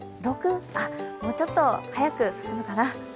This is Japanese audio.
もうちょっと早く進むかな。